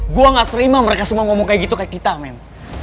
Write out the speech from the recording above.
gue gak terima mereka semua ngomong kayak gitu kayak kita mem